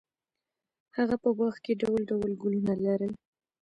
هغه په باغ کې ډول ډول ګلونه لرل.